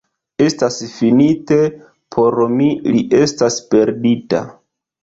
Estas finite: por mi li estas perdita!